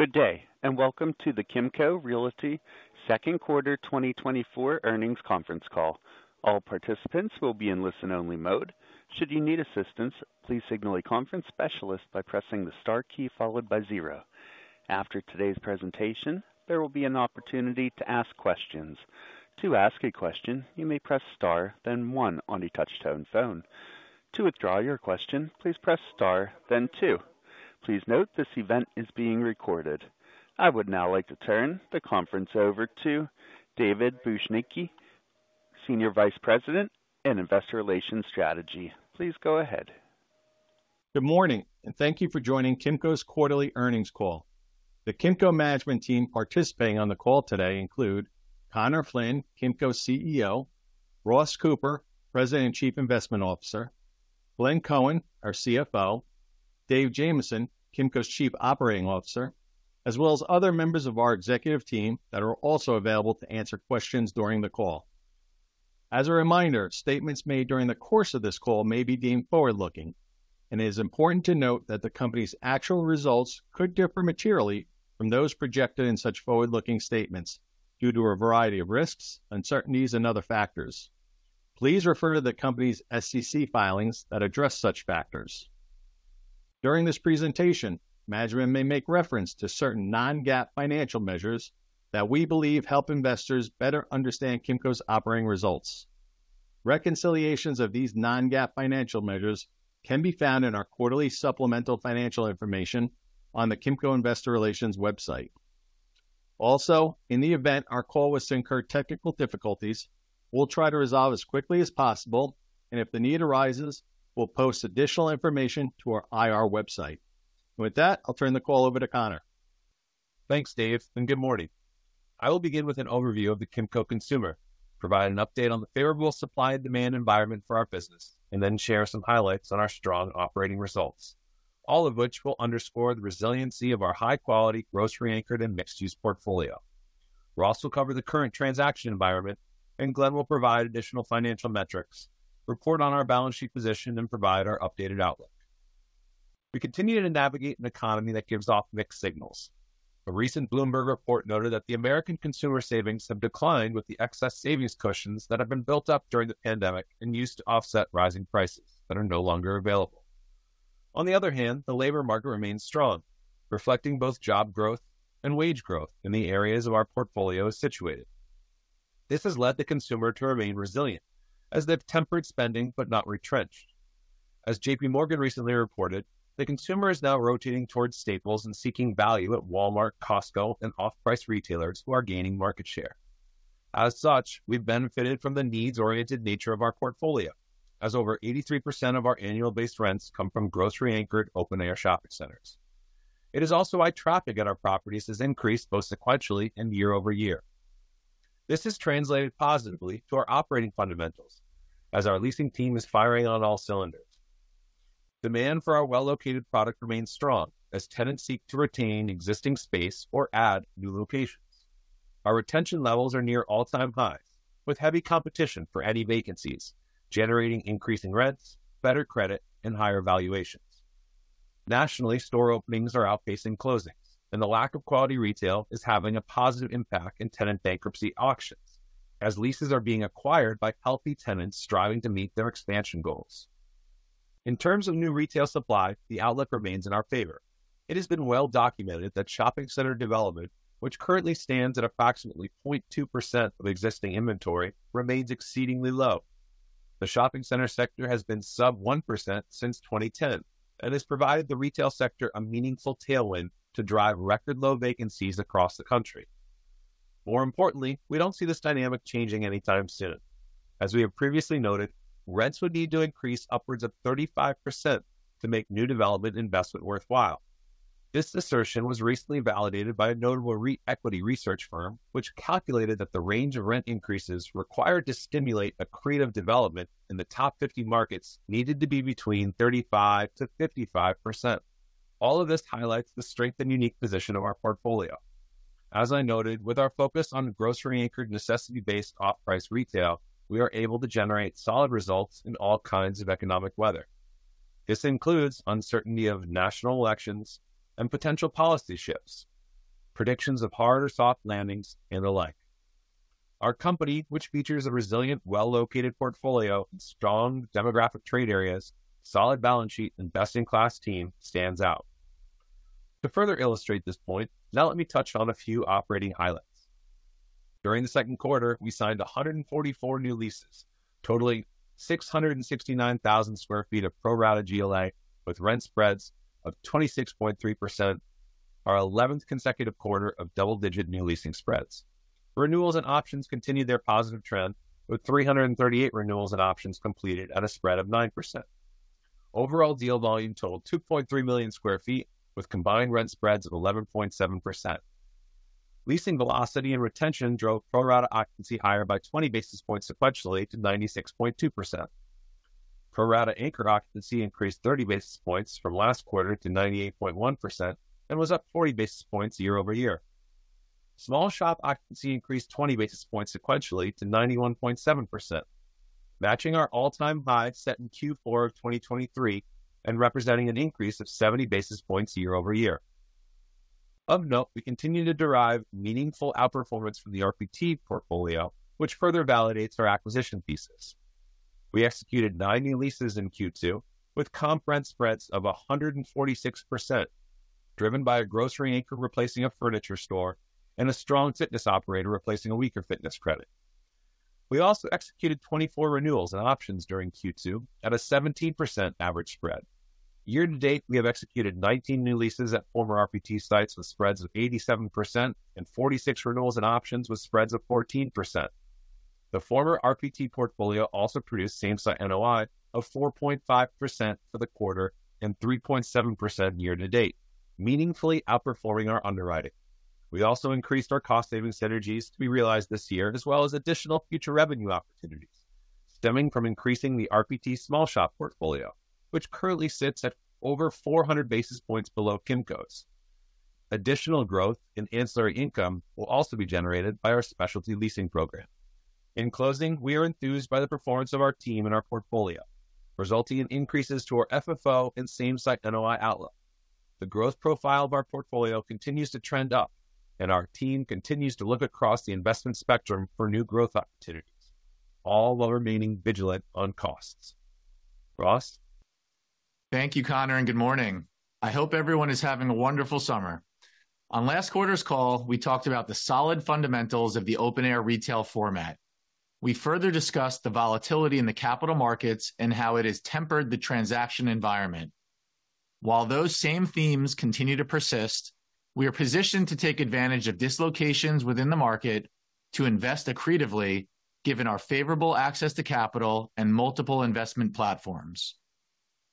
Good day, and welcome to the Kimco Realty Q2 2024 Earnings Conference Call. All participants will be in listen-only mode. Should you need assistance, please signal a conference specialist by pressing the star key followed by 0. After today's presentation, there will be an opportunity to ask questions. To ask a question, you may press star, then 1 on a touchtone phone. To withdraw your question, please press star, then 2. Please note, this event is being recorded. I would now like to turn the conference over to David Bujnicki, Senior Vice President in Investor Relations Strategy. Please go ahead. Good morning, and thank you for joining Kimco's quarterly earnings call. The Kimco management team participating on the call today include: Conor Flynn, Kimco's CEO; Ross Cooper, President and Chief Investment Officer; Glenn Cohen, our CFO; Dave Jamieson, Kimco's Chief Operating Officer, as well as other members of our executive team that are also available to answer questions during the call. As a reminder, statements made during the course of this call may be deemed forward-looking, and it is important to note that the Company's actual results could differ materially from those projected in such forward-looking statements due to a variety of risks, uncertainties, and other factors. Please refer to the Company's SEC filings that address such factors. During this presentation, management may make reference to certain non-GAAP financial measures that we believe help investors better understand Kimco's operating results. Reconciliations of these non-GAAP financial measures can be found in our quarterly supplemental financial information on the Kimco Investor Relations website. Also, in the event our call was to incur technical difficulties, we'll try to resolve as quickly as possible, and if the need arises, we'll post additional information to our IR website. With that, I'll turn the call over to Conor. Thanks, Dave, and good morning. I will begin with an overview of the Kimco consumer, provide an update on the favorable supply and demand environment for our business, and then share some highlights on our strong operating results, all of which will underscore the resiliency of our high-quality, grocery-anchored, and mixed-use portfolio. Ross will cover the current transaction environment, and Glenn will provide additional financial metrics, report on our balance sheet position, and provide our updated outlook. We continue to navigate an economy that gives off mixed signals. A recent Bloomberg report noted that the American consumer savings have declined with the excess savings cushions that have been built up during the pandemic and used to offset rising prices that are no longer available. On the other hand, the labor market remains strong, reflecting both job growth and wage growth in the areas of our portfolio is situated. This has led the consumer to remain resilient as they've tempered spending, but not retrenched. As J.P. Morgan recently reported, the consumer is now rotating towards staples and seeking value at Walmart, Costco, and off-price retailers who are gaining market share. As such, we've benefited from the needs-oriented nature of our portfolio, as over 83% of our annual base rents come from grocery-anchored, open-air shopping centers. It is also why traffic at our properties has increased both sequentially and year-over-year. This has translated positively to our operating fundamentals as our leasing team is firing on all cylinders. Demand for our well-located product remains strong as tenants seek to retain existing space or add new locations. Our retention levels are near all-time highs, with heavy competition for any vacancies, generating increasing rents, better credit, and higher valuations. Nationally, store openings are outpacing closings, and the lack of quality retail is having a positive impact in tenant bankruptcy auctions as leases are being acquired by healthy tenants striving to meet their expansion goals. In terms of new retail supply, the outlook remains in our favor. It has been well documented that shopping center development, which currently stands at approximately 0.2% of existing inventory, remains exceedingly low. The shopping center sector has been sub 1% since 2010 and has provided the retail sector a meaningful tailwind to drive record low vacancies across the country. More importantly, we don't see this dynamic changing anytime soon. As we have previously noted, rents would need to increase upwards of 35% to make new development investment worthwhile. This assertion was recently validated by a notable equity research firm, which calculated that the range of rent increases required to stimulate accretive development in the top 50 markets needed to be between 35%-55%. All of this highlights the strength and unique position of our portfolio. As I noted, with our focus on grocery-anchored, necessity-based, off-price retail, we are able to generate solid results in all kinds of economic weather. This includes uncertainty of national elections and potential policy shifts, predictions of hard or soft landings, and the like. Our company, which features a resilient, well-located portfolio and strong demographic trade areas, solid balance sheet and best-in-class team, stands out. To further illustrate this point, now let me touch on a few operating highlights. During the Q2, we signed 144 new leases, totaling 669,000 sq ft of pro-rata GLA, with rent spreads of 26.3%, our 11th consecutive quarter of double-digit new leasing spreads. Renewals and options continued their positive trend, with 338 renewals and options completed at a spread of 9%. Overall deal volume totaled 2.3 million sq ft, with combined rent spreads of 11.7%. Leasing velocity and retention drove pro-rata occupancy higher by 20 basis points sequentially to 96.2%. Pro-rata anchor occupancy increased 30 basis points from last quarter to 98.1% and was up 40 basis points year-over-year... Small shop occupancy increased 20 basis points sequentially to 91.7%, matching our all-time high set in Q4 of 2023, and representing an increase of 70 basis points year-over-year. Of note, we continue to derive meaningful outperformance from the RPT portfolio, which further validates our acquisition thesis. We executed 9 new leases in Q2, with comp rent spreads of 146%, driven by a grocery anchor replacing a furniture store and a strong fitness operator replacing a weaker fitness credit. We also executed 24 renewals and options during Q2 at a 17% average spread. Year to date, we have executed 19 new leases at former RPT sites, with spreads of 87% and 46 renewals and options with spreads of 14%. The former RPT portfolio also produced same-site NOI of 4.5% for the quarter and 3.7% year to date, meaningfully outperforming our underwriting. We also increased our cost saving synergies to be realized this year, as well as additional future revenue opportunities stemming from increasing the RPT small shop portfolio, which currently sits at over 400 basis points below Kimco's. Additional growth in ancillary income will also be generated by our specialty leasing program. In closing, we are enthused by the performance of our team and our portfolio, resulting in increases to our FFO and same-site NOI outlook. The growth profile of our portfolio continues to trend up, and our team continues to look across the investment spectrum for new growth opportunities, all while remaining vigilant on costs. Ross? Thank you, Conor, and good morning. I hope everyone is having a wonderful summer. On last quarter's call, we talked about the solid fundamentals of the open-air retail format. We further discussed the volatility in the capital markets and how it has tempered the transaction environment. While those same themes continue to persist, we are positioned to take advantage of dislocations within the market to invest accretively, given our favorable access to capital and multiple investment platforms.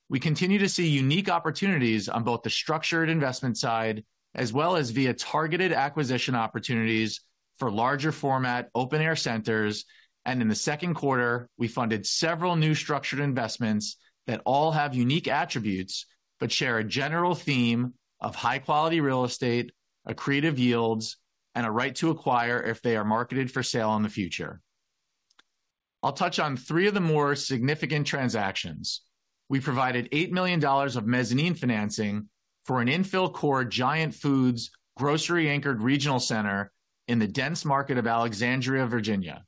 We continue to see unique opportunities on both the structured investment side as well as via targeted acquisition opportunities for larger format, open-air centers, and in the Q2, we funded several new structured investments that all have unique attributes but share a general theme of high-quality real estate, accretive yields, and a right to acquire if they are marketed for sale in the future. I'll touch on three of the more significant transactions. We provided $8 million of mezzanine financing for an infill core Giant Food grocery-anchored regional center in the dense market of Alexandria, Virginia.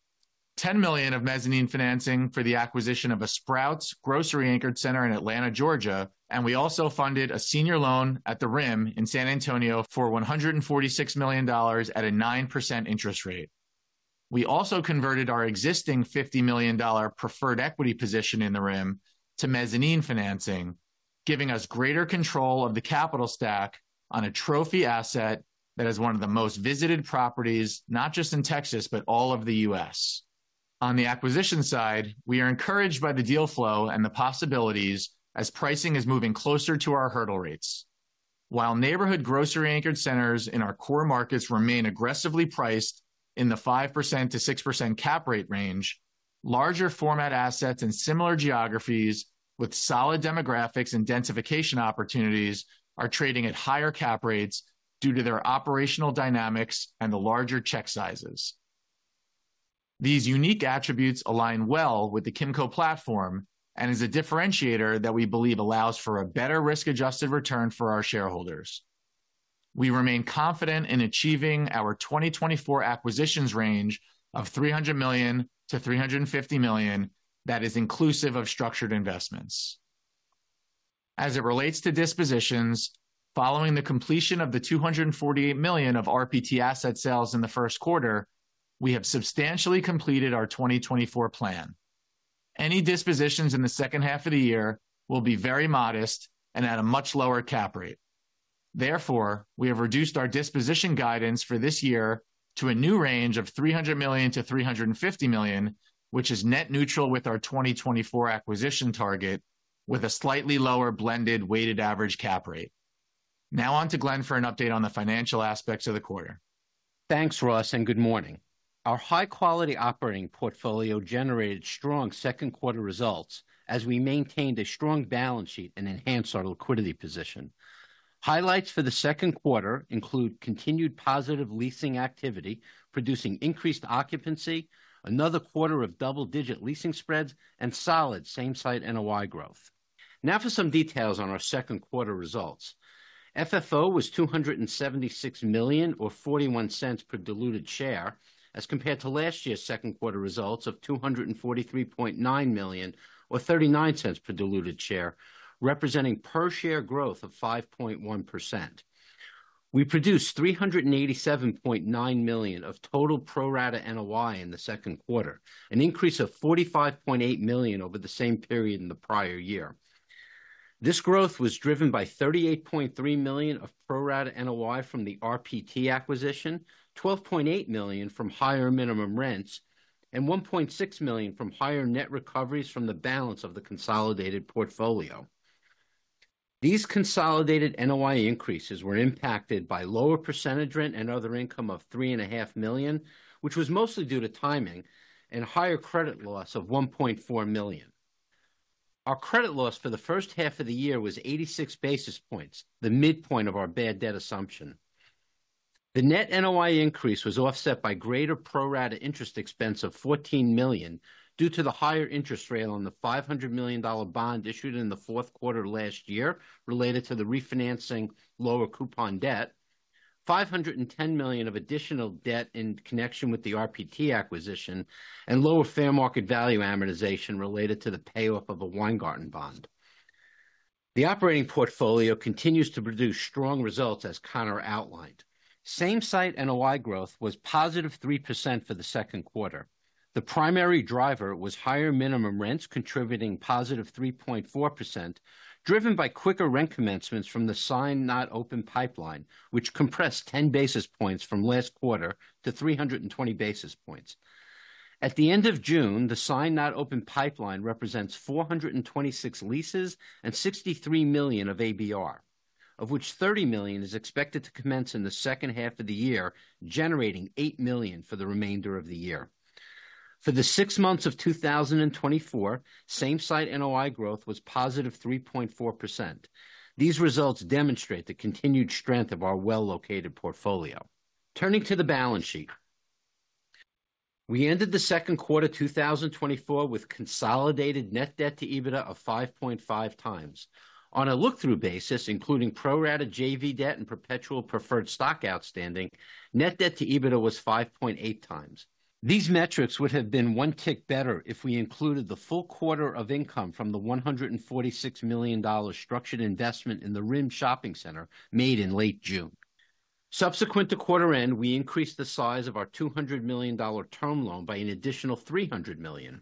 $10 million of mezzanine financing for the acquisition of a Sprouts grocery-anchored center in Atlanta, Georgia, and we also funded a senior loan at The Rim in San Antonio for $146 million at a 9% interest rate. We also converted our existing $50 million preferred equity position in The Rim to mezzanine financing, giving us greater control of the capital stack on a trophy asset that is one of the most visited properties, not just in Texas, but all of the U.S. On the acquisition side, we are encouraged by the deal flow and the possibilities as pricing is moving closer to our hurdle rates. While neighborhood grocery-anchored centers in our core markets remain aggressively priced in the 5%-6% cap rate range, larger format assets in similar geographies with solid demographics and densification opportunities are trading at higher cap rates due to their operational dynamics and the larger check sizes. These unique attributes align well with the Kimco platform and is a differentiator that we believe allows for a better risk-adjusted return for our shareholders. We remain confident in achieving our 2024 acquisitions range of $300 million-$350 million. That is inclusive of structured investments. As it relates to dispositions, following the completion of the $248 million of RPT asset sales in the Q1, we have substantially completed our 2024 plan. Any dispositions in the second half of the year will be very modest and at a much lower cap rate. Therefore, we have reduced our disposition guidance for this year to a new range of $300 million-$350 million, which is net neutral with our 2024 acquisition target, with a slightly lower blended weighted average cap rate. Now on to Glenn for an update on the financial aspects of the quarter. Thanks, Ross, and good morning. Our high-quality operating portfolio generated strong Q2 results as we maintained a strong balance sheet and enhanced our liquidity position. Highlights for the Q2 include continued positive leasing activity, producing increased occupancy, another quarter of double-digit leasing spreads, and solid same-site NOI growth. Now for some details on our Q2 results. FFO was $276 million, or $0.41 per diluted share, as compared to last year's Q2 results of $243.9 million, or $0.39 per diluted share, representing per share growth of 5.1%. We produced $387.9 million of total pro rata NOI in the Q2, an increase of $45.8 million over the same period in the prior year. This growth was driven by $38.3 million of pro rata NOI from the RPT acquisition, $12.8 million from higher minimum rents, and $1.6 million from higher net recoveries from the balance of the consolidated portfolio. These consolidated NOI increases were impacted by lower percentage rent and other income of $3.5 million, which was mostly due to timing and higher credit loss of $1.4 million. Our credit loss for the first half of the year was 86 basis points, the midpoint of our bad debt assumption. The net NOI increase was offset by greater pro rata interest expense of $14 million, due to the higher interest rate on the $500 million bond issued in the Q4 last year, related to the refinancing lower coupon debt. $510 million of additional debt in connection with the RPT acquisition and lower fair market value amortization related to the payoff of a Weingarten bond. The operating portfolio continues to produce strong results, as Conor outlined. Same-site NOI growth was +3% for the Q2. The primary driver was higher minimum rents, contributing +3.4%, driven by quicker rent commencements from the signed not open pipeline, which compressed 10 basis points from last quarter to 320 basis points. At the end of June, the signed not open pipeline represents 426 leases and $63 million of ABR, of which $30 million is expected to commence in the second half of the year, generating $8 million for the remainder of the year. For the six months of 2024, same-site NOI growth was positive 3.4%. These results demonstrate the continued strength of our well-located portfolio. Turning to the balance sheet. We ended the Q2, 2024, with consolidated net debt to EBITDA of 5.5 times. On a look-through basis, including pro rata JV debt and perpetual preferred stock outstanding, net debt to EBITDA was 5.8 times. These metrics would have been one tick better if we included the full quarter of income from the $146 million structured investment in The Rim Shopping Center made in late June. Subsequent to quarter end, we increased the size of our $200 million term loan by an additional $300 million.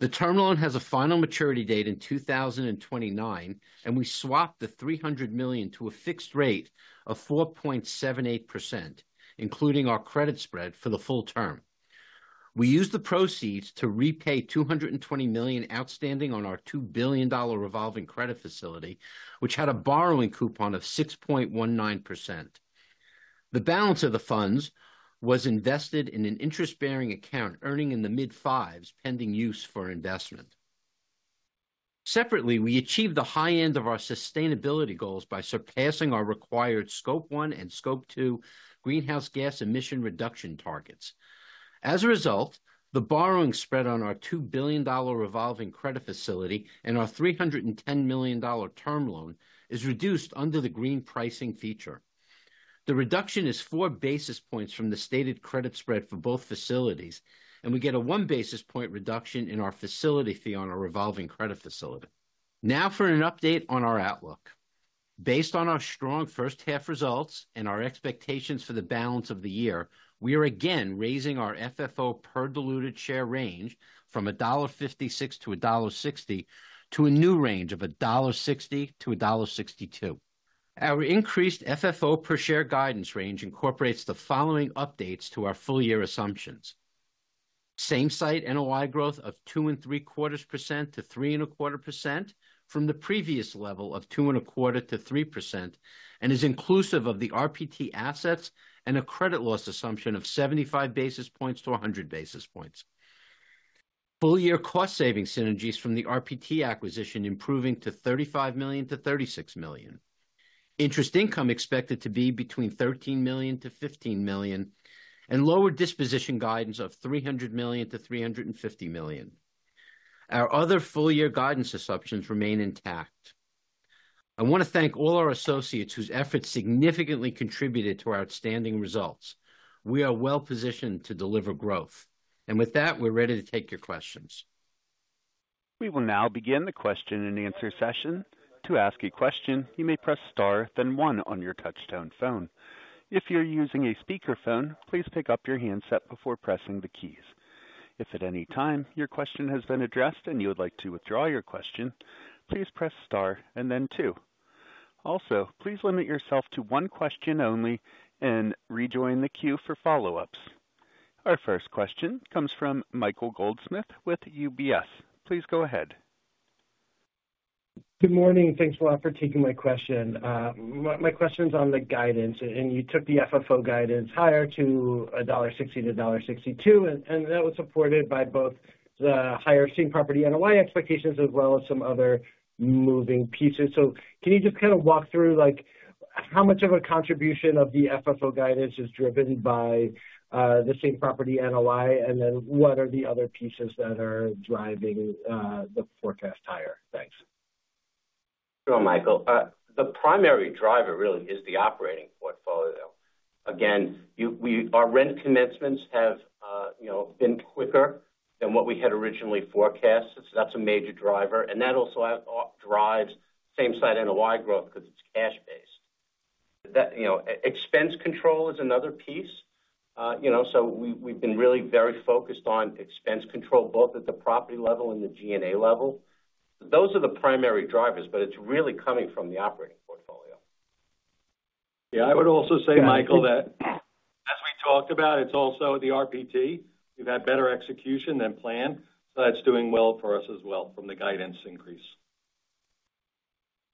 The term loan has a final maturity date in 2029, and we swapped the $300 million to a fixed rate of 4.78%, including our credit spread for the full term. We used the proceeds to repay $220 million outstanding on our $2 billion revolving credit facility, which had a borrowing coupon of 6.19%. The balance of the funds was invested in an interest-bearing account, earning in the mid-fives, pending use for investment. Separately, we achieved the high end of our sustainability goals by surpassing our required Scope One and Scope Two greenhouse gas emission reduction targets. As a result, the borrowing spread on our $2 billion revolving credit facility and our $310 million term loan is reduced under the green pricing feature. The reduction is 4 basis points from the stated credit spread for both facilities, and we get a 1 basis point reduction in our facility fee on our revolving credit facility. Now for an update on our outlook. Based on our strong first half results and our expectations for the balance of the year, we are again raising our FFO per diluted share range from $1.56 to $1.60, to a new range of $1.60-$1.62. Our increased FFO per share guidance range incorporates the following updates to our full year assumptions. Same-site NOI growth of 2.75% to 3.25% from the previous level of 2.25%-3%, and is inclusive of the RPT assets and a credit loss assumption of 75 basis points-100 basis points. Full-year cost saving synergies from the RPT acquisition, improving to $35 million-$36 million. Interest income expected to be between $13 million-$15 million, and lower disposition guidance of $300 million-$350 million. Our other full-year guidance assumptions remain intact. I want to thank all our associates whose efforts significantly contributed to our outstanding results. We are well positioned to deliver growth. With that, we're ready to take your questions. We will now begin the question and answer session. To ask a question, you may press Star, then one on your touchtone phone. If you're using a speakerphone, please pick up your handset before pressing the keys. If at any time your question has been addressed and you would like to withdraw your question, please press Star and then two. Also, please limit yourself to one question only and rejoin the queue for follow-ups. Our first question comes from Michael Goldsmith with UBS. Please go ahead. Good morning, thanks a lot for taking my question. My question is on the guidance, and you took the FFO guidance higher to $1.60-$1.62, and that was supported by both the higher same property NOI expectations as well as some other moving pieces. So can you just kind of walk through, like, how much of a contribution of the FFO guidance is driven by the same property NOI, and then what are the other pieces that are driving the forecast higher? Thanks. Sure, Michael. The primary driver really is the operating portfolio. Again, our rent commencements have, you know, been quicker than what we had originally forecasted. So that's a major driver, and that also drives same-site NOI growth because it's cash based. You know, expense control is another piece. You know, so we, we've been really very focused on expense control, both at the property level and the G&A level. Those are the primary drivers, but it's really coming from the operating portfolio. Yeah, I would also say, Michael, that as we talked about, it's also the RPT. We've had better execution than planned, so that's doing well for us as well from the guidance increase....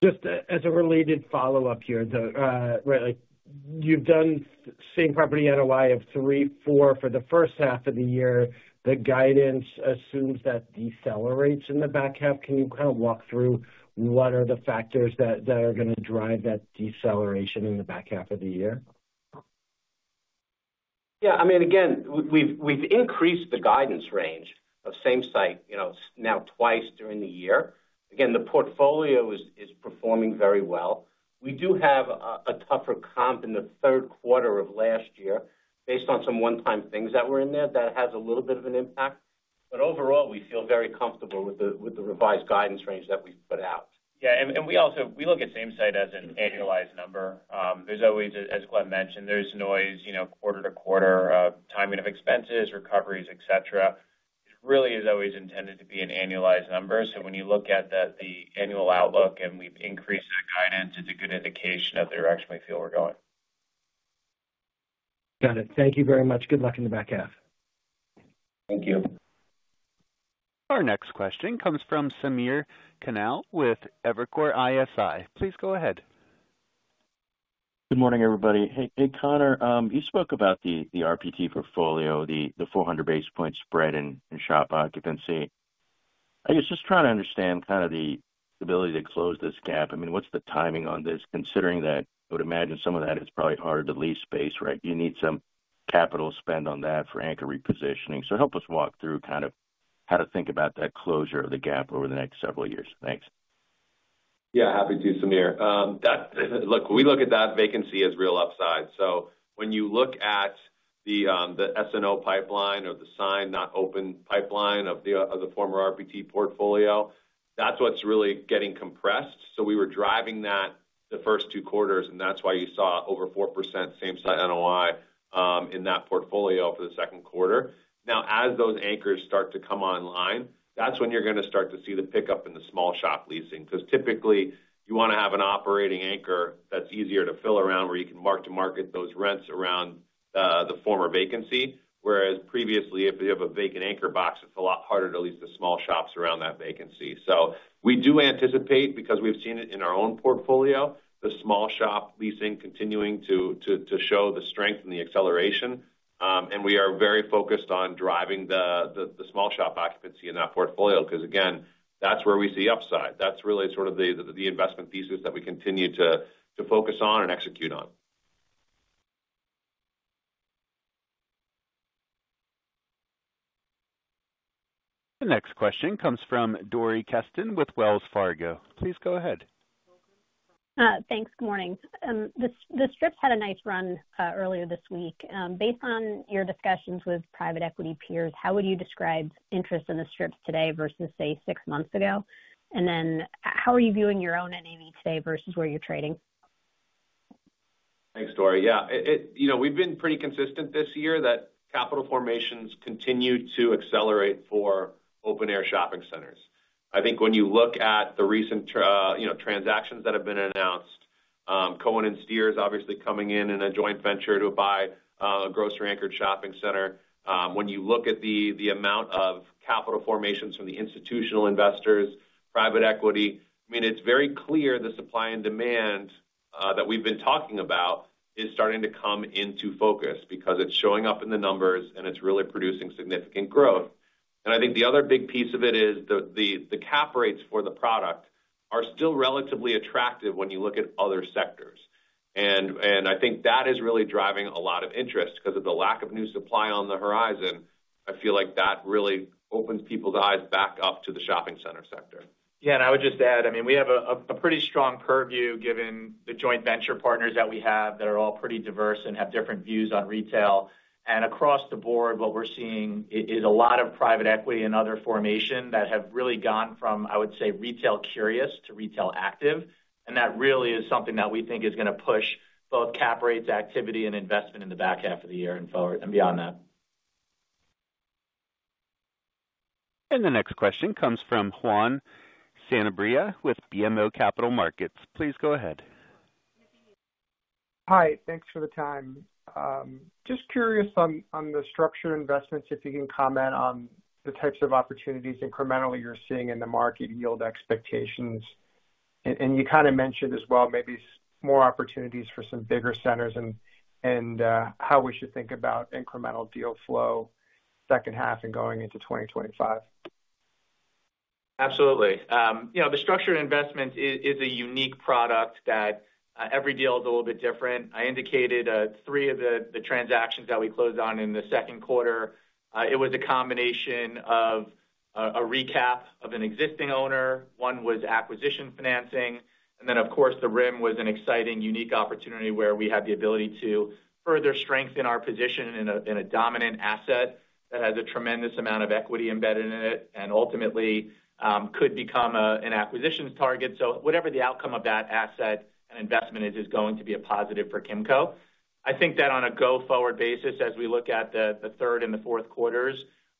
Just as a related follow-up here, the right, like, you've done same-property NOI of 3.4 for the first half of the year. The guidance assumes that decelerates in the back half. Can you kind of walk through what are the factors that are gonna drive that deceleration in the back half of the year? Yeah, I mean, again, we've increased the guidance range of same site, you know, now twice during the year. Again, the portfolio is performing very well. We do have a tougher comp in the Q3 of last year based on some one-time things that were in there that has a little bit of an impact. But overall, we feel very comfortable with the revised guidance range that we've put out. We also look at same site as an annualized number. There's always, as Glenn mentioned, there's noise, you know, quarter to quarter of timing of expenses, recoveries, et cetera. It really is always intended to be an annualized number. So when you look at the annual outlook and we've increased that guidance, it's a good indication of the direction we feel we're going. Got it. Thank you very much. Good luck in the back half. Thank you. Our next question comes from Samir Khanal with Evercore ISI. Please go ahead. Good morning, everybody. Hey, hey, Conor, you spoke about the RPT portfolio, the 400 basis point spread in shop occupancy. I guess just trying to understand kind of the ability to close this gap. I mean, what's the timing on this, considering that I would imagine some of that is probably harder to lease space, right? You need some capital spend on that for anchor repositioning. So help us walk through kind of how to think about that closure of the gap over the next several years. Thanks. Yeah, happy to, Sameer. That—look, we look at that vacancy as real upside. So when you look at the SNO pipeline or the signed, not open pipeline of the former RPT portfolio, that's what's really getting compressed. So we were driving that the first two quarters, and that's why you saw over 4% same site NOI in that portfolio for the Q2. Now, as those anchors start to come online, that's when you're gonna start to see the pickup in the small shop leasing. 'Cause typically, you wanna have an operating anchor that's easier to fill around, where you can mark to market those rents around the former vacancy. Whereas previously, if you have a vacant anchor box, it's a lot harder to lease the small shops around that vacancy. So we do anticipate, because we've seen it in our own portfolio, the small shop leasing continuing to show the strength and the acceleration. And we are very focused on driving the small shop occupancy in that portfolio, because, again, that's where we see upside. That's really sort of the investment thesis that we continue to focus on and execute on. The next question comes from Dori Kesten with Wells Fargo. Please go ahead. Thanks. Good morning. The strips had a nice run earlier this week. Based on your discussions with private equity peers, how would you describe interest in the strips today versus, say, six months ago? And then, how are you viewing your own NAV today versus where you're trading? Thanks, Dori. Yeah, you know, we've been pretty consistent this year that capital formations continue to accelerate for open-air shopping centers. I think when you look at the recent, you know, transactions that have been announced, Cohen & Steers is obviously coming in in a joint venture to buy a grocery-anchored shopping center. When you look at the amount of capital formations from the institutional investors, private equity, I mean, it's very clear the supply and demand that we've been talking about is starting to come into focus because it's showing up in the numbers, and it's really producing significant growth. And I think the other big piece of it is the cap rates for the product are still relatively attractive when you look at other sectors. I think that is really driving a lot of interest, because of the lack of new supply on the horizon. I feel like that really opens people's eyes back up to the shopping center sector. Yeah, and I would just add, I mean, we have a pretty strong purview, given the joint venture partners that we have, that are all pretty diverse and have different views on retail. And across the board, what we're seeing is a lot of private equity and other formation that have really gone from, I would say, retail curious to retail active. And that really is something that we think is gonna push both cap rates, activity, and investment in the back half of the year and forward, and beyond that. The next question comes from Juan Sanabria with BMO Capital Markets. Please go ahead. Hi, thanks for the time. Just curious on the structured investments, if you can comment on the types of opportunities incrementally you're seeing in the market and yield expectations. And you kind of mentioned as well, maybe more opportunities for some bigger centers and how we should think about incremental deal flow second half and going into 2025. Absolutely. You know, the structured investment is a unique product that every deal is a little bit different. I indicated three of the transactions that we closed on in the Q2. It was a combination of a recap of an existing owner. One was acquisition financing, and then, of course, The Rim was an exciting, unique opportunity where we had the ability to further strengthen our position in a dominant asset that has a tremendous amount of equity embedded in it, and ultimately could become an acquisition target. So whatever the outcome of that asset and investment is going to be a positive for Kimco. I think that on a go-forward basis, as we look at the third and the Q4,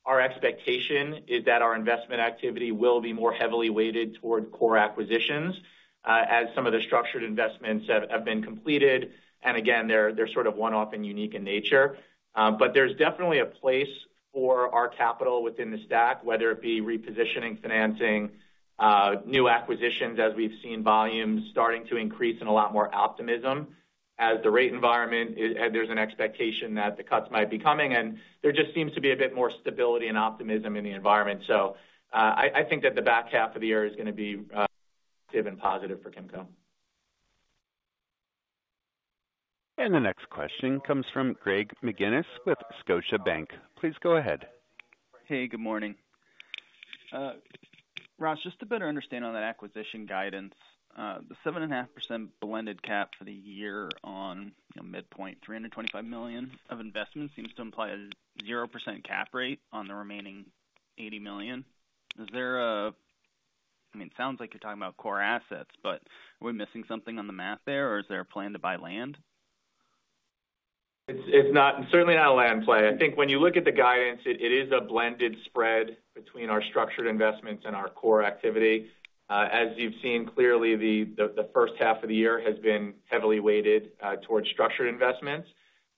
our expectation is that our investment activity will be more heavily weighted toward core acquisitions, as some of the structured investments have been completed. And again, they're sort of one-off and unique in nature. But there's definitely a place for our capital within the stack, whether it be repositioning, financing, new acquisitions, as we've seen volumes starting to increase and a lot more optimism.... as the rate environment, there's an expectation that the cuts might be coming, and there just seems to be a bit more stability and optimism in the environment. So, I think that the back half of the year is gonna be, positive for Kimco. The next question comes from Greg McGinniss with Scotiabank. Please go ahead. Hey, good morning. Ross, just to better understand on that acquisition guidance, the 7.5% blended cap rate for the year on, you know, midpoint, $325 million of investments, seems to imply a 0% cap rate on the remaining $80 million. Is there a - I mean, it sounds like you're talking about core assets, but are we missing something on the math there, or is there a plan to buy land? It's not certainly not a land play. I think when you look at the guidance, it is a blended spread between our structured investments and our core activity. As you've seen clearly, the first half of the year has been heavily weighted towards structured investments.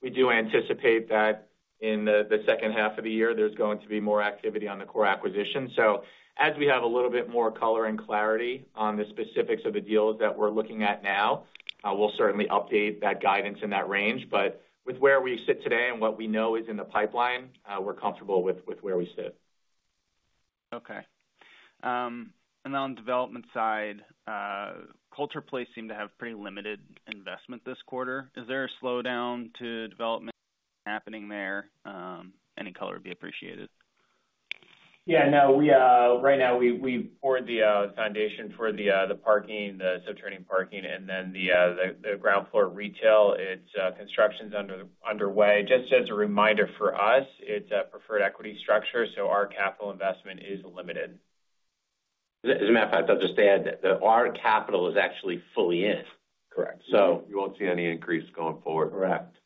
We do anticipate that in the second half of the year, there's going to be more activity on the core acquisition. So as we have a little bit more color and clarity on the specifics of the deals that we're looking at now, we'll certainly update that guidance in that range. But with where we sit today and what we know is in the pipeline, we're comfortable with where we sit. Okay. On the development side, Coulter Place seemed to have pretty limited investment this quarter. Is there a slowdown to development happening there? Any color would be appreciated. Yeah, no, right now, we poured the foundation for the subterranean parking, and then the ground floor retail. Construction's underway. Just as a reminder for us, it's a preferred equity structure, so our capital investment is limited. As a matter of fact, I'll just add that our capital is actually fully in. Correct. You won't see any increase going forward. Correct.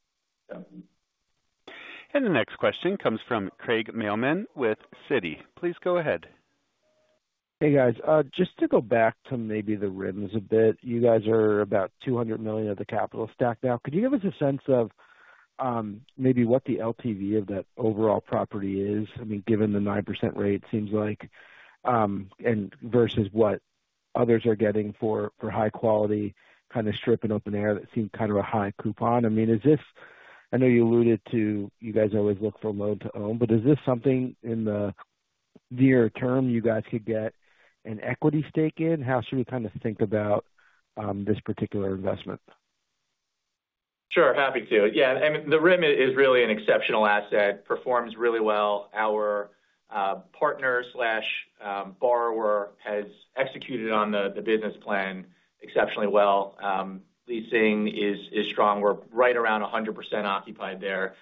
Yeah. The next question comes from Craig Mailman with Citi. Please go ahead. Hey, guys, just to go back to maybe The Rim a bit. You guys are about $200 million of the capital stack now. Could you give us a sense of, maybe what the LTV of that overall property is? I mean, given the 9% rate, seems like, and versus what others are getting for, for high quality, kind of strip and open air, that seems kind of a high coupon. I mean, is this... I know you alluded to, you guys always look for loan to own, but is this something in the near term you guys could get an equity stake in? How should we kind of think about, this particular investment? Sure, happy to. Yeah, and the Rim is really an exceptional asset, performs really well. Our partner, borrower has executed on the business plan exceptionally well. Leasing is strong. We're right around 100% occupied there.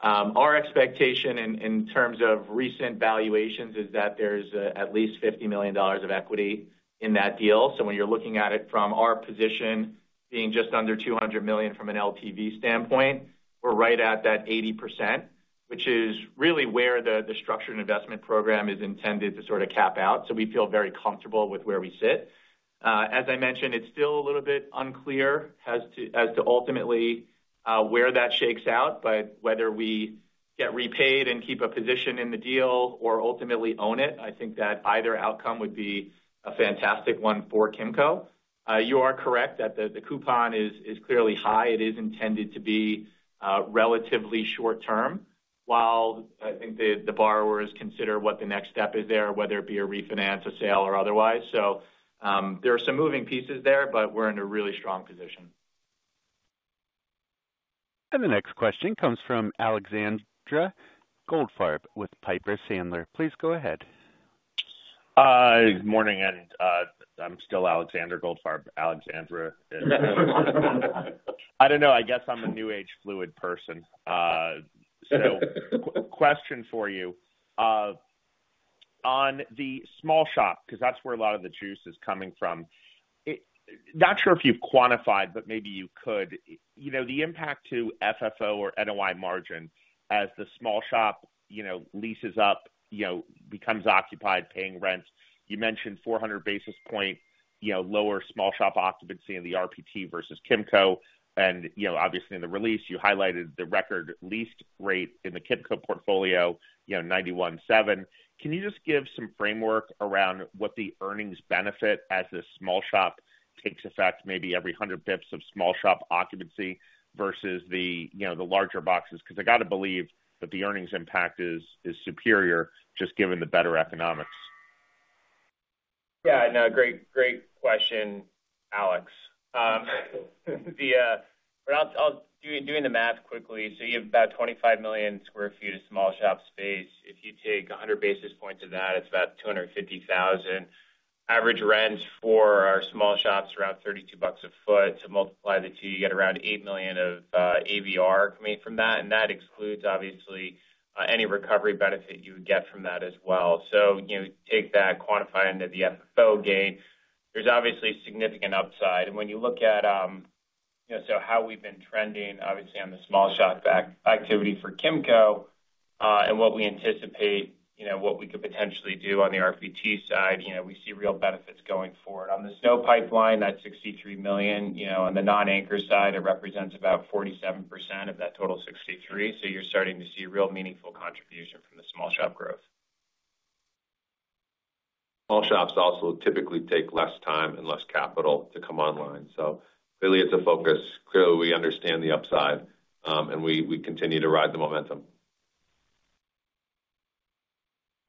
Our expectation in terms of recent valuations is that there's at least $50 million of equity in that deal. So when you're looking at it from our position, being just under $200 million from an LTV standpoint, we're right at that 80%, which is really where the structured investment program is intended to sort of cap out. So we feel very comfortable with where we sit. As I mentioned, it's still a little bit unclear as to, as to ultimately where that shakes out, but whether we get repaid and keep a position in the deal or ultimately own it, I think that either outcome would be a fantastic one for Kimco. You are correct that the, the coupon is, is clearly high. It is intended to be relatively short term, while I think the, the borrowers consider what the next step is there, whether it be a refinance, a sale, or otherwise. So, there are some moving pieces there, but we're in a really strong position. The next question comes from Alexander Goldfarb with Piper Sandler. Please go ahead. Good morning, and I'm still Alexander Goldfarb. Alexandra is—I don't know. I guess I'm a new age fluid person. So question for you, on the small shop, because that's where a lot of the juice is coming from. Not sure if you've quantified, but maybe you could, you know, the impact to FFO or NOI margin as the small shop, you know, leases up, you know, becomes occupied, paying rent. You mentioned 400 basis points lower small shop occupancy in the RPT versus Kimco. And, you know, obviously in the release, you highlighted the record leased rate in the Kimco portfolio, you know, 91.7%. Can you just give some framework around what the earnings benefit as the small shop takes effect? Maybe every 100 basis points of small shop occupancy versus the, you know, the larger boxes, because I got to believe that the earnings impact is superior, just given the better economics. Yeah, I know. Great, great question, Alex. But I'll do the math quickly. So you have about 25 million sq ft of small shop space. If you take 100 basis points of that, it's about 250,000. Average rent for our small shops around $32 a foot. To multiply the two, you get around $8 million of ABR coming from that, and that excludes, obviously, any recovery benefit you would get from that as well. So, you know, take that, quantify into the FFO gain. There's obviously significant upside. And when you look at, you know, so how we've been trending, obviously, on the small shop back activity for Kimco, and what we anticipate, you know, what we could potentially do on the RPT side, you know, we see real benefits going forward. On the SNO pipeline, that $63 million, you know, on the non-anchor side, it represents about 47% of that total, 63. So you're starting to see real meaningful contribution from the small shop growth.... small shops also typically take less time and less capital to come online. So clearly, it's a focus. Clearly, we understand the upside, and we continue to ride the momentum.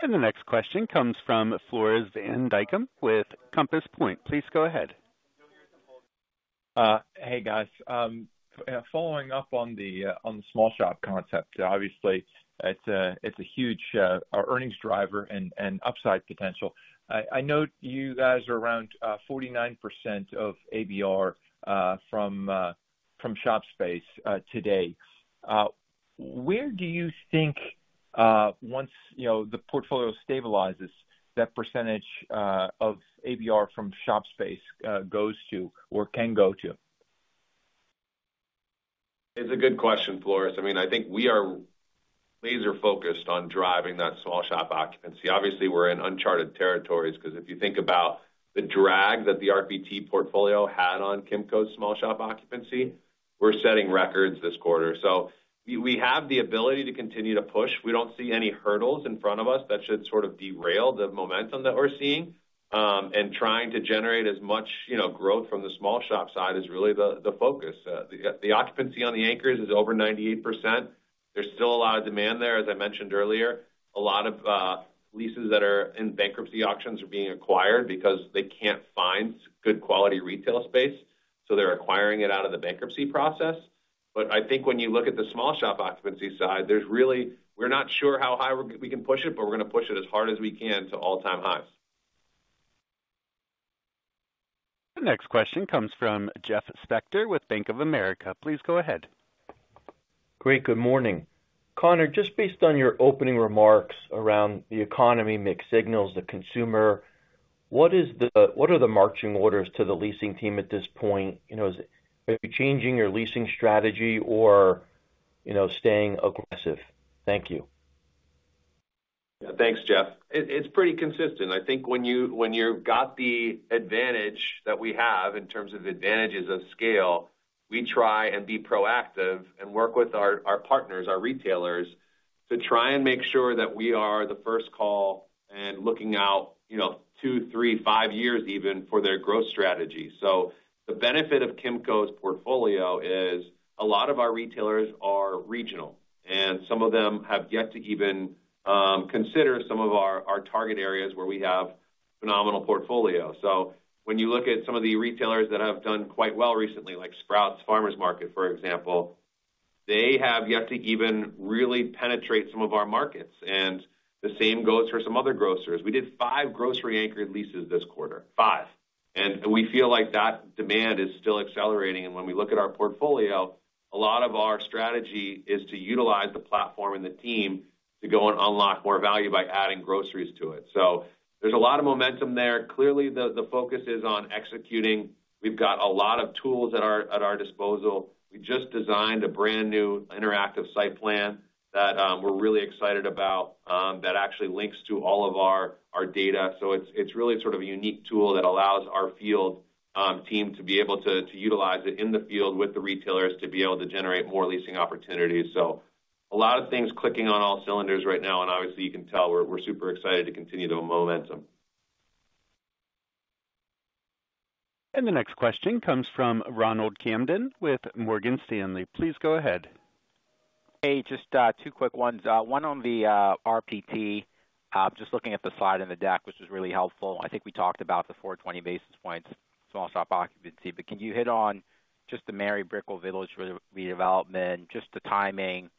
The next question comes from Floris van Dijkum with Compass Point. Please go ahead. Hey, guys. Following up on the small shop concept, obviously, it's a huge earnings driver and upside potential. I note you guys are around 49% of ABR from shop space today. Where do you think, once, you know, the portfolio stabilizes, that percentage of ABR from shop space goes to or can go to? It's a good question, Floris. I mean, I think we are laser-focused on driving that small shop occupancy. Obviously, we're in uncharted territories, 'cause if you think about the drag that the RPT portfolio had on Kimco's small shop occupancy, we're setting records this quarter. So we have the ability to continue to push. We don't see any hurdles in front of us that should sort of derail the momentum that we're seeing, and trying to generate as much, you know, growth from the small shop side is really the focus. The occupancy on the anchors is over 98%. There's still a lot of demand there. As I mentioned earlier, a lot of leases that are in bankruptcy auctions are being acquired because they can't find good quality retail space, so they're acquiring it out of the bankruptcy process. But I think when you look at the small shop occupancy side, there's really, we're not sure how high we can push it, but we're gonna push it as hard as we can to all-time highs. The next question comes from Jeff Spector with Bank of America. Please go ahead. Great. Good morning. Conor, just based on your opening remarks around the economy, mixed signals, the consumer, what are the marching orders to the leasing team at this point? You know, is it changing your leasing strategy or, you know, staying aggressive? Thank you. Thanks, Jeff. It's pretty consistent. I think when you've got the advantage that we have in terms of advantages of scale, we try and be proactive and work with our partners, our retailers, to try and make sure that we are the first call and looking out, you know, 2, 3, 5 years, even, for their growth strategy. So the benefit of Kimco's portfolio is a lot of our retailers are regional, and some of them have yet to even consider some of our target areas where we have phenomenal portfolio. So when you look at some of the retailers that have done quite well recently, like Sprouts Farmers Market, for example, they have yet to even really penetrate some of our markets, and the same goes for some other grocers. We did 5 grocery-anchored leases this quarter, 5, and we feel like that demand is still accelerating. When we look at our portfolio, a lot of our strategy is to utilize the platform and the team to go and unlock more value by adding groceries to it. So there's a lot of momentum there. Clearly, the focus is on executing. We've got a lot of tools at our disposal. We just designed a brand new interactive site plan that we're really excited about that actually links to all of our data. So it's really sort of a unique tool that allows our field team to be able to utilize it in the field with the retailers to be able to generate more leasing opportunities. So a lot of things clicking on all cylinders right now, and obviously, you can tell we're, we're super excited to continue the momentum. The next question comes from Ronald Kamdem with Morgan Stanley. Please go ahead. Hey, just two quick ones. One on the RPT. Just looking at the slide in the deck, which was really helpful. I think we talked about the 420 basis points, small shop occupancy. But can you hit on just the Mary Brickell Village redevelopment, just the timing?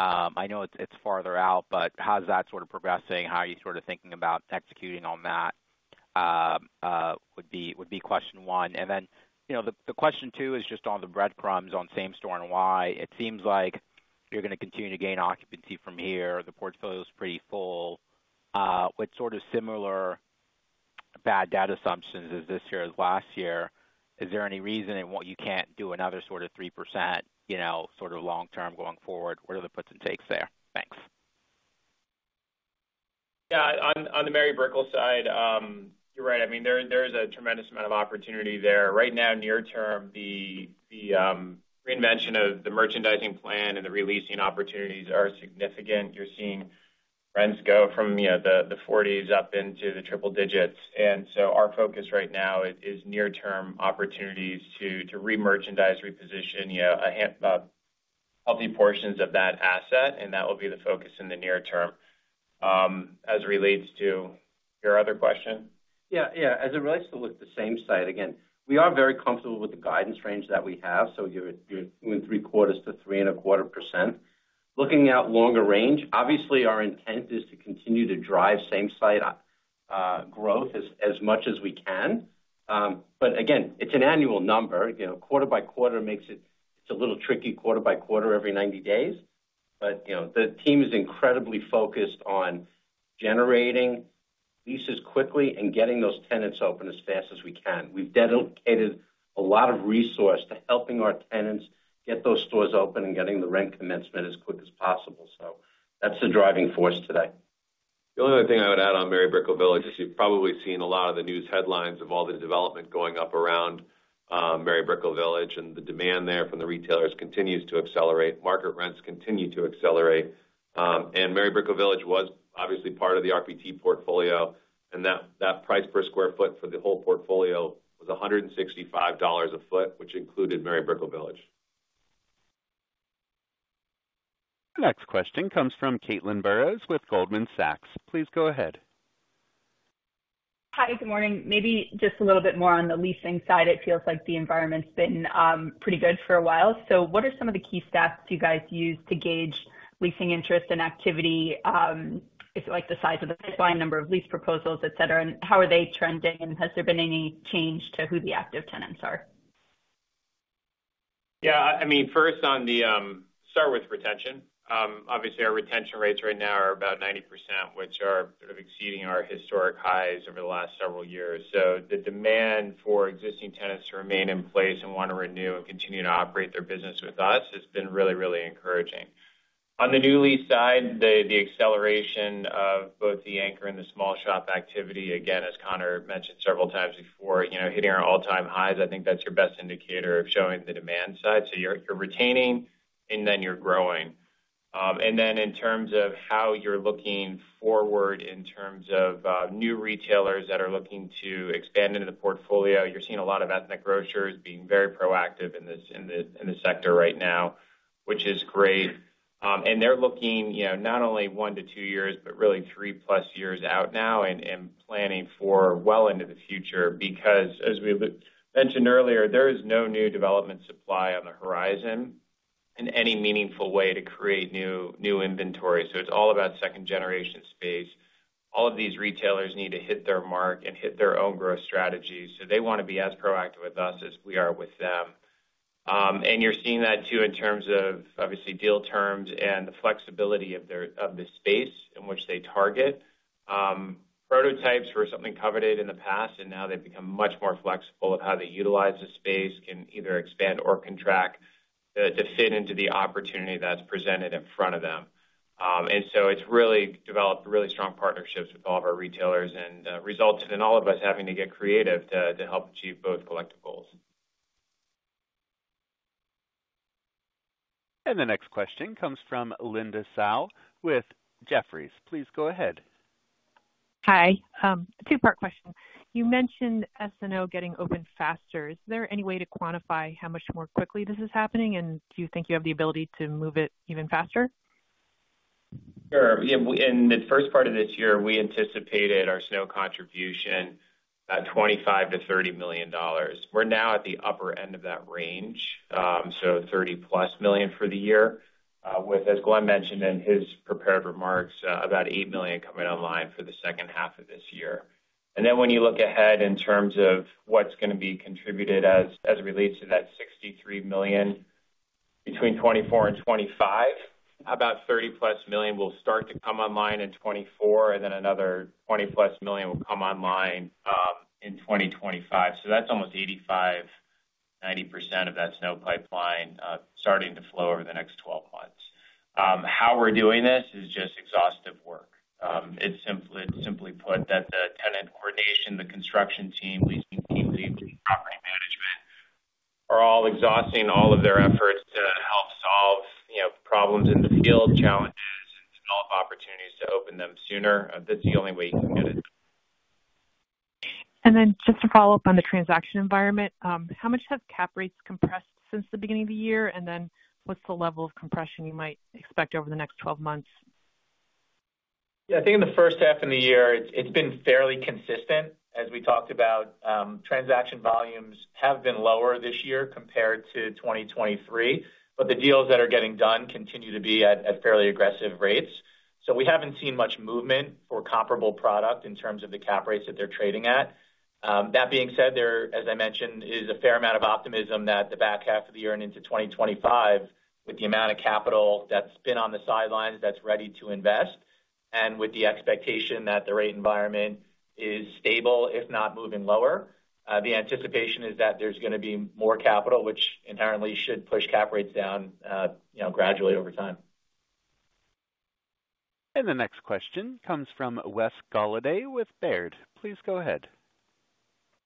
I know it's farther out, but how's that sort of progressing? How are you sort of thinking about executing on that? Would be question one. And then, you know, the question two is just on the bread and butter, on same-store NOI. It seems like you're gonna continue to gain occupancy from here. The portfolio is pretty full. What sort of similar bad debt assumptions is this year as last year? Is there any reason that what you can't do another sort of 3%, you know, sort of long term going forward? What are the puts and takes there? Thanks. Yeah, on the Mary Brickell side, you're right. I mean, there is a tremendous amount of opportunity there. Right now, near term, the reinvention of the merchandising plan and the re-leasing opportunities are significant. You're seeing rents go from, you know, the $40s up into the $100s. And so our focus right now is near-term opportunities to remerchandise, reposition, you know, healthy portions of that asset, and that will be the focus in the near term. As it relates to your other question? Yeah, yeah, as it relates to with the same site, again, we are very comfortable with the guidance range that we have. So you're doing 0.75%-3.25%. Looking out longer range, obviously, our intent is to continue to drive same site growth as much as we can. But again, it's an annual number. You know, quarter by quarter makes it. It's a little tricky quarter by quarter every 90 days. But, you know, the team is incredibly focused on generating leases quickly and getting those tenants open as fast as we can. We've dedicated a lot of resource to helping our tenants get those stores open and getting the rent commencement as quick as possible. So that's the driving force today. The only other thing I would add on Mary Brickell Village is you've probably seen a lot of the news headlines of all the development going up around... Mary Brickell Village, and the demand there from the retailers continues to accelerate. Market rents continue to accelerate. And Mary Brickell Village was obviously part of the RPT portfolio, and that, that price per square foot for the whole portfolio was $165 a foot, which included Mary Brickell Village. The next question comes from Caitlin Burrows with Goldman Sachs. Please go ahead. Hi, good morning. Maybe just a little bit more on the leasing side. It feels like the environment's been pretty good for a while. So what are some of the key steps you guys use to gauge leasing interest and activity, if you like, the size of the pipeline, number of lease proposals, et cetera, and how are they trending, and has there been any change to who the active tenants are? Yeah, I mean, first, on the start with retention. Obviously, our retention rates right now are about 90%, which are sort of exceeding our historic highs over the last several years. So the demand for existing tenants to remain in place and want to renew and continue to operate their business with us has been really, really encouraging. On the new lease side, the acceleration of both the anchor and the small shop activity, again, as Conor mentioned several times before, you know, hitting our all-time highs, I think that's your best indicator of showing the demand side. So you're retaining, and then you're growing. And then in terms of how you're looking forward in terms of new retailers that are looking to expand into the portfolio, you're seeing a lot of ethnic grocers being very proactive in this sector right now, which is great. And they're looking, you know, not only 1-2 years, but really 3+ years out now and planning for well into the future, because as we've mentioned earlier, there is no new development supply on the horizon in any meaningful way to create new inventory. So it's all about second-generation space. All of these retailers need to hit their mark and hit their own growth strategies, so they want to be as proactive with us as we are with them. You're seeing that, too, in terms of, obviously, deal terms and the flexibility of the space in which they target. Prototypes were something coveted in the past, and now they've become much more flexible of how they utilize the space, can either expand or contract, to fit into the opportunity that's presented in front of them. And so it's really developed really strong partnerships with all of our retailers and resulted in all of us having to get creative to help achieve both collective goals. The next question comes from Linda Tsai with Jefferies. Please go ahead. Hi. Two-part question. You mentioned S&O getting open faster. Is there any way to quantify how much more quickly this is happening? And do you think you have the ability to move it even faster? Sure. Yeah, in the first part of this year, we anticipated our SNO contribution, $25 million-$30 million. We're now at the upper end of that range, so $30+ million for the year, with, as Glenn mentioned in his prepared remarks, about $8 million coming online for the second half of this year. And then when you look ahead in terms of what's going to be contributed as, as it relates to that $63 million, between 2024 and 2025, about $30+ million will start to come online in 2024, and then another $20+ million will come online, in 2025. So that's almost 85%-90% of that SNO pipeline, starting to flow over the next 12 months. How we're doing this is just exhaustive work. It's simply, simply put, that the tenant coordination, the construction team, leasing team, property management, are all exhausting all of their efforts to help solve, you know, problems in the field, challenges, and develop opportunities to open them sooner. That's the only way you can get it. Just to follow up on the transaction environment, how much have cap rates compressed since the beginning of the year? What's the level of compression you might expect over the next 12 months? Yeah, I think in the first half of the year, it's, it's been fairly consistent. As we talked about, transaction volumes have been lower this year compared to 2023, but the deals that are getting done continue to be at, at fairly aggressive rates. So we haven't seen much movement for comparable product in terms of the cap rates that they're trading at. That being said, there, as I mentioned, is a fair amount of optimism that the back half of the year and into 2025, with the amount of capital that's been on the sidelines, that's ready to invest, and with the expectation that the rate environment is stable, if not moving lower, the anticipation is that there's going to be more capital, which inherently should push cap rates down, you know, gradually over time. The next question comes from Wes Golladay with Baird. Please go ahead.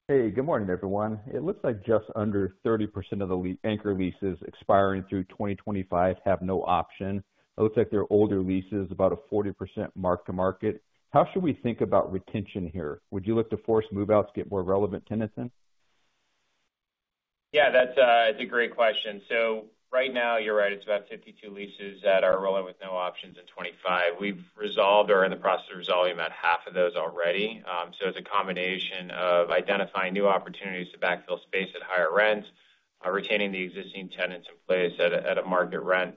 Hey, good morning, everyone. It looks like just under 30% of the anchor leases expiring through 2025 have no option. It looks like their older leases, about a 40% mark to market. How should we think about retention here? Would you look to force move-outs to get more relevant tenants in? Yeah, that's a great question. So right now, you're right. It's about 52 leases that are rolling with no options in 2025. We've resolved or are in the process of resolving about half of those already. So it's a combination of identifying new opportunities to backfill space at higher rents, retaining the existing tenants in place at a market rent.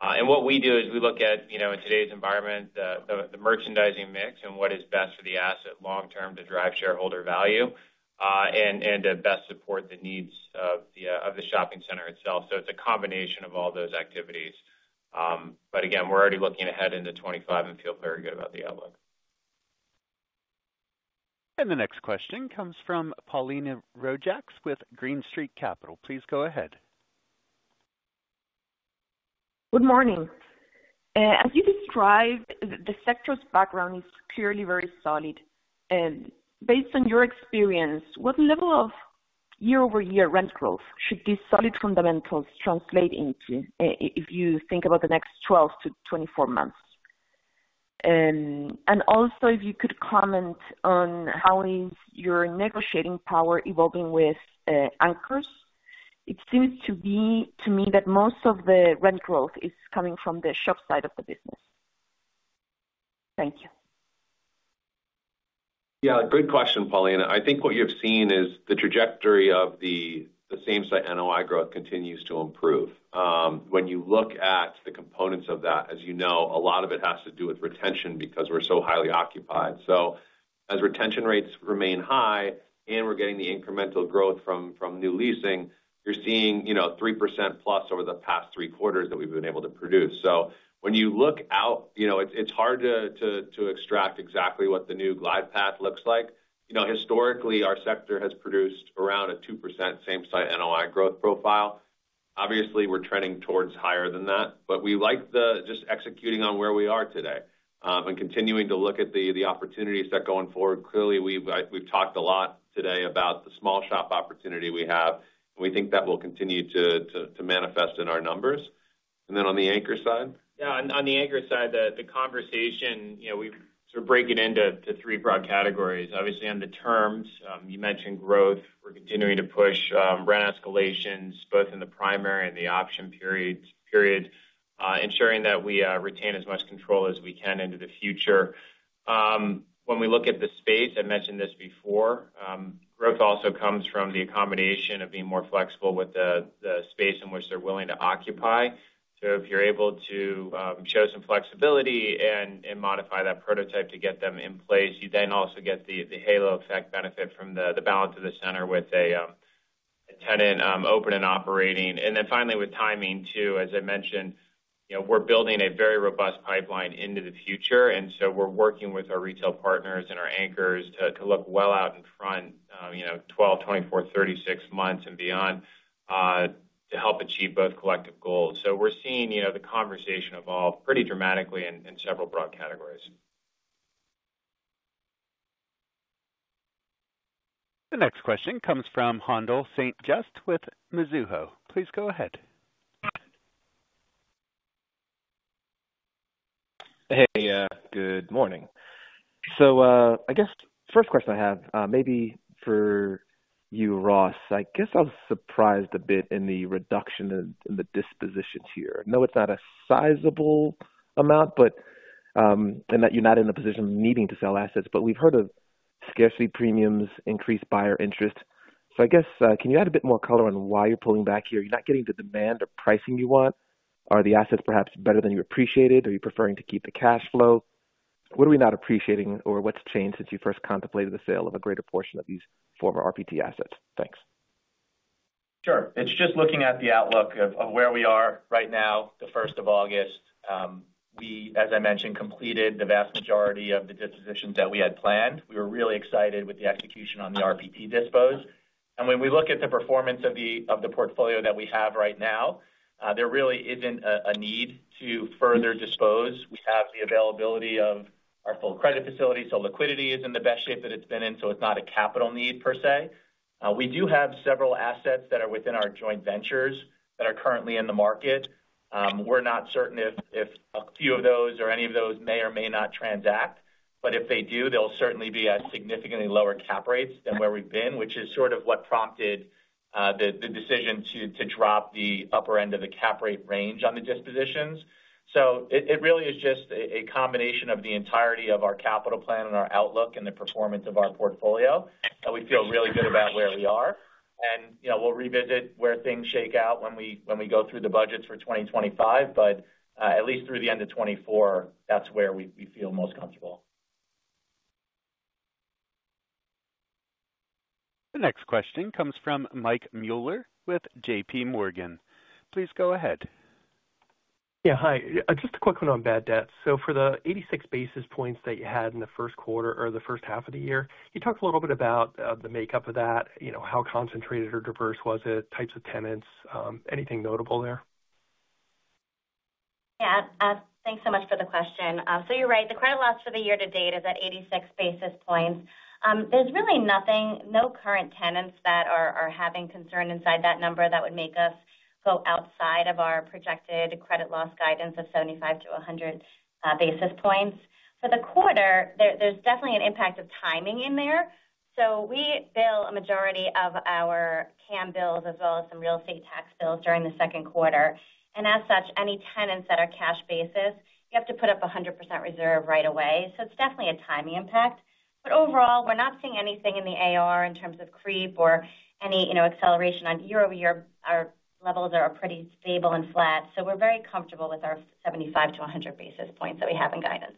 And what we do is we look at, you know, in today's environment, the merchandising mix and what is best for the asset long term to drive shareholder value, and to best support the needs of the shopping center itself. So it's a combination of all those activities. But again, we're already looking ahead into 2025 and feel very good about the outlook. The next question comes from Paulina Rojas with Green Street. Please go ahead. Good morning. As you described, the sector's background is clearly very solid. Based on your experience, what level of year-over-year rent growth should these solid fundamentals translate into, if you think about the next 12-24 months? And also, if you could comment on how is your negotiating power evolving with anchors. It seems to me that most of the rent growth is coming from the shop side of the business. Thank you. Yeah, good question, Paulina. I think what you've seen is the trajectory of the same-site NOI growth continues to improve. When you look at the components of that, as you know, a lot of it has to do with retention because we're so highly occupied. So as retention rates remain high and we're getting the incremental growth from new leasing, you're seeing, you know, 3%+ over the past three quarters that we've been able to produce. So when you look out, you know, it's hard to extract exactly what the new glide path looks like. You know, historically, our sector has produced around a 2% same-site NOI growth profile. Obviously, we're trending towards higher than that, but we like just executing on where we are today, and continuing to look at the opportunities that going forward. Clearly, we've talked a lot today about the small shop opportunity we have, and we think that will continue to manifest in our numbers. And then on the anchor side? Yeah, on the anchor side, the conversation, you know, we sort of break it into three broad categories. Obviously, on the terms, you mentioned growth. We're continuing to push rent escalations, both in the primary and the option periods, period, ensuring that we retain as much control as we can into the future. When we look at the space, I mentioned this before, growth also comes from the accommodation of being more flexible with the space in which they're willing to occupy. So if you're able to show some flexibility and modify that prototype to get them in place, you then also get the halo effect benefit from the balance of the center with a tenant open and operating. And then finally, with timing, too, as I mentioned, you know, we're building a very robust pipeline into the future, and so we're working with our retail partners and our anchors to look well out in front, you know, 12, 24, 36 months and beyond, to help achieve both collective goals. So we're seeing, you know, the conversation evolve pretty dramatically in several broad categories. The next question comes from Haendel St. Juste with Mizuho. Please go ahead. Hey, good morning. So, I guess first question I have, maybe for you, Ross. I guess I was surprised a bit in the reduction in the dispositions here. I know it's not a sizable amount, but, and that you're not in a position of needing to sell assets, but we've heard of scarcity premiums, increased buyer interest. So I guess, can you add a bit more color on why you're pulling back here? You're not getting the demand or pricing you want? Are the assets perhaps better than you appreciated? Are you preferring to keep the cash flow? What are we not appreciating, or what's changed since you first contemplated the sale of a greater portion of these former RPT assets? Thanks. Sure. It's just looking at the outlook of where we are right now, the first of August. We, as I mentioned, completed the vast majority of the dispositions that we had planned. We were really excited with the execution on the RPT dispos. And when we look at the performance of the portfolio that we have right now, there really isn't a need to further dispose. We have the availability of our full credit facility, so liquidity is in the best shape that it's been in, so it's not a capital need per se. We do have several assets that are within our joint ventures that are currently in the market. We're not certain if a few of those or any of those may or may not transact, but if they do, they'll certainly be at significantly lower cap rates than where we've been, which is sort of what prompted the decision to drop the upper end of the cap rate range on the dispositions. So it really is just a combination of the entirety of our capital plan and our outlook and the performance of our portfolio, and we feel really good about where we are. You know, we'll revisit where things shake out when we go through the budgets for 2025, but at least through the end of 2024, that's where we feel most comfortable. The next question comes from Mike Mueller with J.P. Morgan. Please go ahead. Yeah, hi. Just a quick one on bad debt. So for the 86 basis points that you had in the Q1 or the first half of the year, can you talk a little bit about the makeup of that? You know, how concentrated or diverse was it, types of tenants, anything notable there? Yeah, thanks so much for the question. So you're right, the credit loss for the year to date is at 86 basis points. There's really nothing, no current tenants that are having concern inside that number that would make us go outside of our projected credit loss guidance of 75-100 basis points. For the quarter, there's definitely an impact of timing in there. So we bill a majority of our CAM bills as well as some real estate tax bills during the Q2. And as such, any tenants that are cash basis, you have to put up 100% reserve right away. So it's definitely a timing impact. But overall, we're not seeing anything in the AR in terms of creep or any, you know, acceleration on year-over-year. Our levels are pretty stable and flat, so we're very comfortable with our 75-100 basis points that we have in guidance.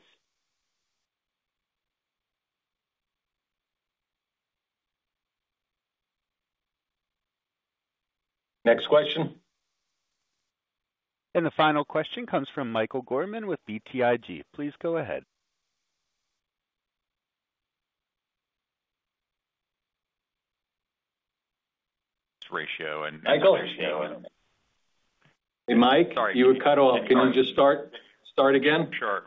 Next question. The final question comes from Michael Gorman with BTIG. Please go ahead. ... ratio and- Michael? Hey, Mike, you were cut off. Can you just start again? Sure.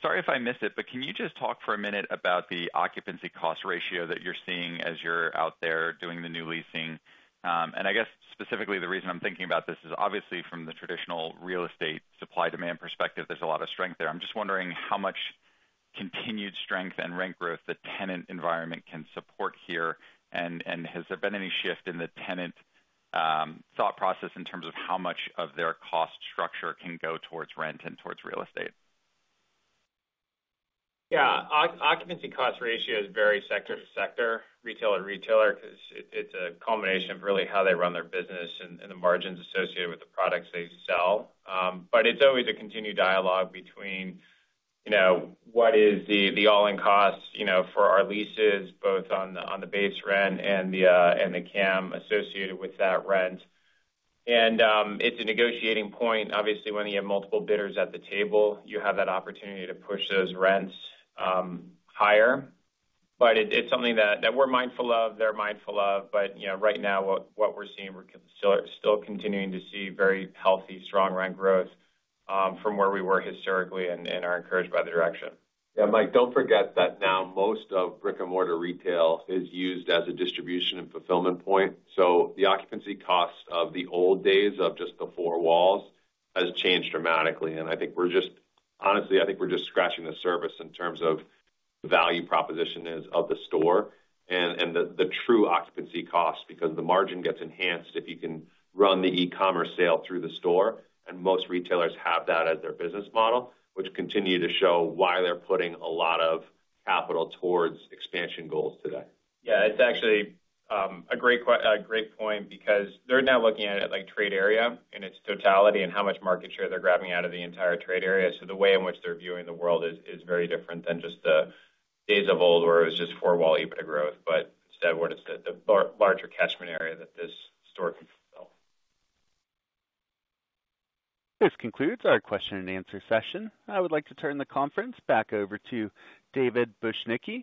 Sorry if I missed it, but can you just talk for a minute about the occupancy cost ratio that you're seeing as you're out there doing the new leasing? And I guess specifically, the reason I'm thinking about this is obviously from the traditional real estate supply-demand perspective, there's a lot of strength there. I'm just wondering how much continued strength and rent growth the tenant environment can support here, and has there been any shift in the tenant thought process in terms of how much of their cost structure can go towards rent and towards real estate? Yeah. Occupancy cost ratio is very sector to sector, retailer to retailer, 'cause it, it's a culmination of really how they run their business and the margins associated with the products they sell. But it's always a continued dialogue between, you know, what is the all-in costs, you know, for our leases, both on the base rent and the CAM associated with that rent. And it's a negotiating point. Obviously, when you have multiple bidders at the table, you have that opportunity to push those rents higher. But it's something that we're mindful of, they're mindful of, but, you know, right now, what we're seeing, we're still continuing to see very healthy, strong rent growth from where we were historically and are encouraged by the direction. Yeah, Mike, don't forget that now most of brick-and-mortar retail is used as a distribution and fulfillment point. So the occupancy cost of the old days of just the four walls has changed dramatically, and I think we're just, honestly, I think we're just scratching the surface in terms of value proposition is of the store and, and the, the true occupancy cost, because the margin gets enhanced if you can run the e-commerce sale through the store, and most retailers have that as their business model, which continue to show why they're putting a lot of capital towards expansion goals today. Yeah, it's actually a great point, because they're now looking at it like trade area in its totality and how much market share they're grabbing out of the entire trade area. So the way in which they're viewing the world is very different than just the days of old, where it was just four-wall EBITDA growth, but instead, what is the larger catchment area that this store can fill? This concludes our question-and-answer session. I would like to turn the conference back over to David Bujnicki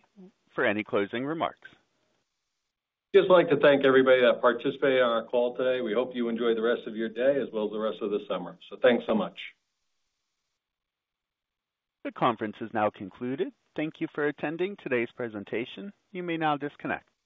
for any closing remarks. Just like to thank everybody that participated on our call today. We hope you enjoy the rest of your day as well as the rest of the summer. So thanks so much. The conference is now concluded. Thank you for attending today's presentation. You may now disconnect.